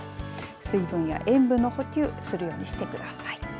水分や塩分の補給をするようにしてください。